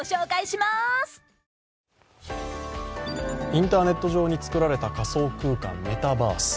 インターネット上に作られた仮想空間、メタバース。